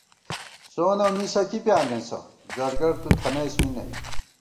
سون اؤ مِسہ کِی پیانېسہ، زرگر تُو تھنَئیس می نئ